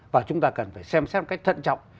và chúng ta cần phải xem xét một cách thận trọng